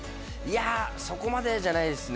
いやそこまでじゃないですね